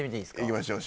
いきましょう